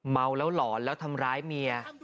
เมาแล้วหลอนแล้วทำร้ายเมีย